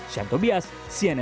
sean tobias cnn indonesia